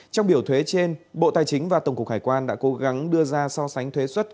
trong biểu thuế trên bộ tài chính và tổng cục hải quan đã cố gắng đưa ra so sánh thuế xuất